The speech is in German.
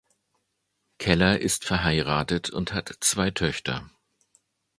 Keller ist verheiratet und hat zwei Töchter.